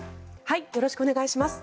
よろしくお願いします。